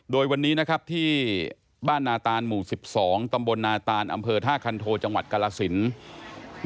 โดยวันนี้นะครับที่บ้านนาตานหมู่๑๒ตำบลนาตานอำเภอท่าคันโทจังหวัดกาลสิน